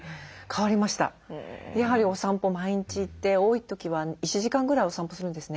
やはりお散歩毎日行って多い時は１時間ぐらいお散歩するんですね。